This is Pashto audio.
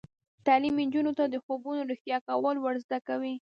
تعلیم نجونو ته د خوبونو رښتیا کول ور زده کوي.